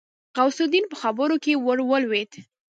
غوث الدين په خبره کې ورولوېد.